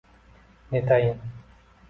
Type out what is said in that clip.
Netayin